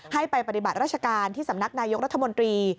ให้ไปปฏิบัติราชการที่สำนักนายกรัฐมนตรี